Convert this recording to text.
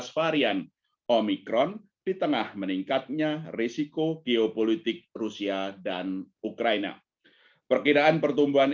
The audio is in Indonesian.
varian omikron di tengah meningkatnya risiko geopolitik rusia dan ukraina perkiraan pertumbuhan